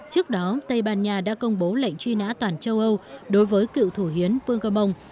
trước đó tây ban nha đã công bố lệnh truy nã toàn châu âu đối với cựu thủ hiến vương cơ mông